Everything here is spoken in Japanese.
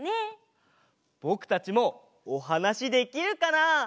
ぼくたちもおはなしできるかな？